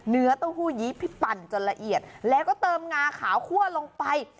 เต้าหู้ยี้พี่ปั่นจนละเอียดแล้วก็เติมงาขาวคั่วลงไป